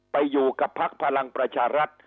ไปอยู่กับพักพลังประชารัฐ